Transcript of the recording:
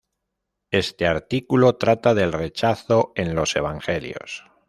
Este artículo trata del rechazo en los evangelios.